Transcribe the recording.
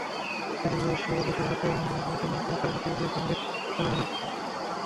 দেশের বেশির ভাগ অংশের নিয়ন্ত্রণকারী হুতি বিদ্রোহীদের সঙ্গে সালেহর ঘনিষ্ঠ সম্পর্ক রয়েছে।